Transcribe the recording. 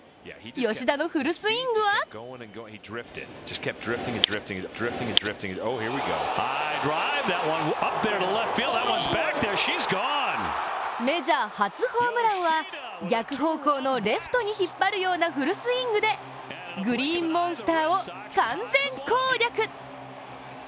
吉田のフルスイングはメジャー初ホームランは、逆方向のレフトに引っ張るようなフルスイングでグリーンモンスターを完全攻略。